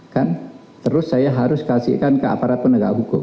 kan terus saya harus kasihkan ke aparat penegak hukum